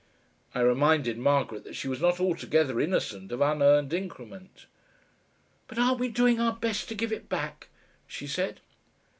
I reminded Margaret that she was not altogether innocent of unearned increment. "But aren't we doing our best to give it back?" she said.